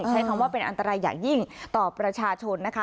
ใช้คำว่าเป็นอันตรายอย่างยิ่งต่อประชาชนนะคะ